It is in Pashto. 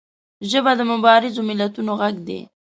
ژبه د مبارزو ملتونو غږ دی